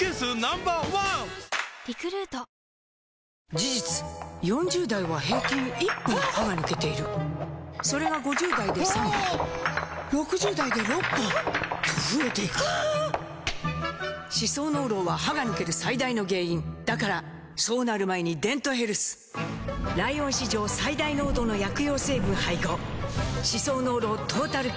事実４０代は平均１本歯が抜けているそれが５０代で３本６０代で６本と増えていく歯槽膿漏は歯が抜ける最大の原因だからそうなる前に「デントヘルス」ライオン史上最大濃度の薬用成分配合歯槽膿漏トータルケア！